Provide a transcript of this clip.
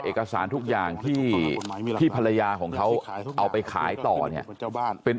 เอกสารทุกอย่างที่ภรรยาของเขาเอาไปขายต่อเนี่ยเป็น